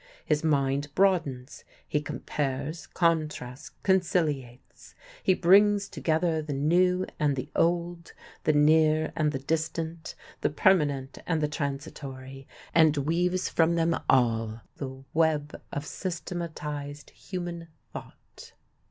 His mind broadens; he compares, contrasts, conciliates; he brings together the new and the old, the near and the distant, the permanent and the transitory, and weaves from them all the web of systematized human thought.